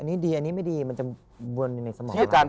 อันนี้ดีอันนี้ไม่ดีมันจะเบิ่นในสมอง